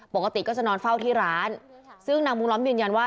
ปกติก็จะนอนเฝ้าที่ร้านซึ่งนางมุงล้อมยืนยันว่า